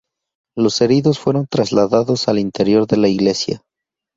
Los heridos fueron trasladados al interior de la iglesia.